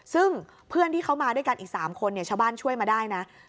ซึ่งเพื่อนที่เขามาด้วยกันอีก๓คนชาวบ้านช่วยมาได้นะ